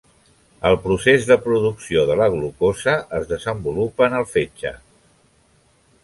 El procés de producció de la glucosa es desenvolupa en el fetge.